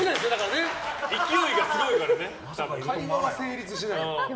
会話が成立しない。